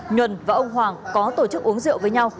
nguyền và ông hoàng có tổ chức uống rượu với nhau